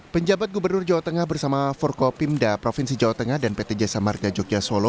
penjabat gubernur jawa tengah bersama forkopimda provinsi jawa tengah dan pt jasa marga jogja solo